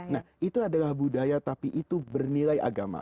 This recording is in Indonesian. nah itu adalah budaya tapi itu bernilai agama